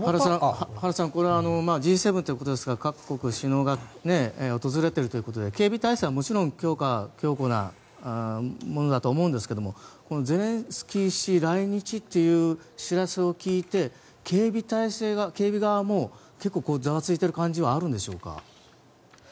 原さん、Ｇ７ということで各国首脳が訪れてるということで警備態勢は強固なものだと思うんですがゼレンスキー氏来日という知らせを聞いて警備側もざわついてる感じはあるんでしょうか。